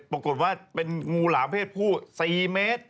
ปรากฏว่าเป็นงูหลามเพศผู้๔เมตร